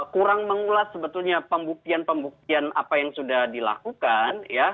kurang mengulas sebetulnya pembuktian pembuktian apa yang sudah dilakukan